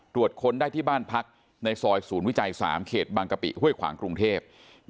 ค้นได้ที่บ้านพักในซอยศูนย์วิจัย๓เขตบางกะปิห้วยขวางกรุงเทพ